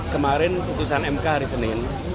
kemarin putusan mk hari senin